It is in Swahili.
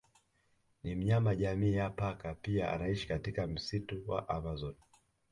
Ni mnyama jamii ya paka pia anaishi katika msitu wa amazon